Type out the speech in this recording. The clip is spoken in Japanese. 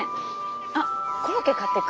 あっコロッケ買ってく？